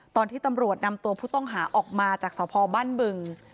ตอนที่ตำรวจนำตัวผู้ต้องหาออกมาจากสพบ้านบึง